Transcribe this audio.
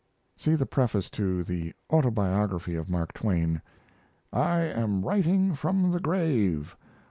[See the preface to the "Autobiography of Mark Twain": 'I am writing from the grave.